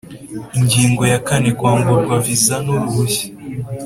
Ingingo ya kane Kwamburwa viza n uruhushya